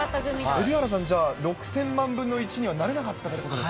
蛯原さんじゃあ、６０００万分の１には、なれなかったということですか。